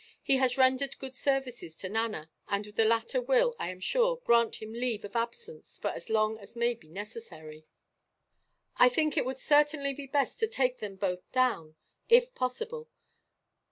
He has rendered good services to Nana; and the latter will, I am sure, grant him leave of absence for as long as may be necessary." "I think it would certainly be best to take them both down, if possible.